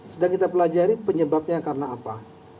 sedang kita pelajari penyebabnya karena apa